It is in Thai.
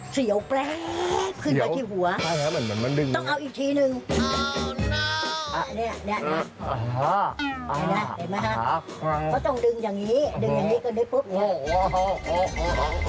เสียวแปลกขึ้นมาที่หัวต้องเอาอีกทีหนึ่งเห็นไหมฮะต้องดึงอย่างนี้ดึงอย่างนี้กันด้วยปุ๊บ